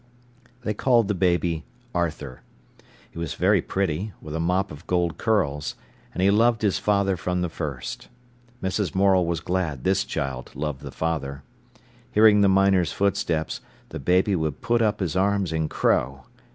They called the baby Arthur. He was very pretty, with a mop of gold curls, and he loved his father from the first. Mrs. Morel was glad this child loved the father. Hearing the miner's footsteps, the baby would put up his arms and crow.